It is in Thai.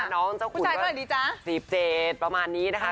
น้องเจ้าคุยว่า๑๗ประมาณนี้นะคะ